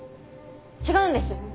違うんです！